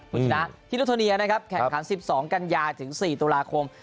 คุณชนะที่นุโทเนียนะครับแข่งขัน๑๒กันยาถึง๔ตุลาคม